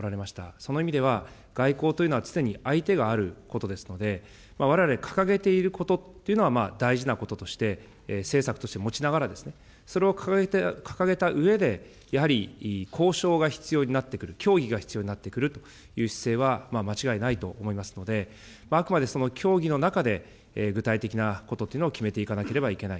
その意味では、外交というのは常に相手があることですので、われわれ掲げていることっていうのは大事なこととして、政策として持ちながら、それを掲げたうえで、やはり交渉が必要になってくる、協議が必要になってくるという姿勢は間違いないと思いますので、あくまでその協議の中で、具体的なことっていうのを決めていかなければいけない。